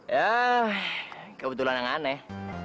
ya kebetulan yang aneh